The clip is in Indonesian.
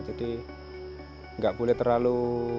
jadi nggak boleh terlalu